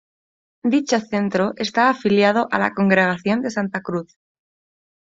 Dicho centro está afiliado a la Congregación de Santa Cruz.